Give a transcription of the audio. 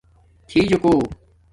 تھی جوکݸ